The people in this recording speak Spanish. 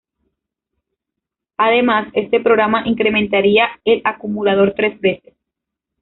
Además, este programa incrementaría el acumulador tres veces.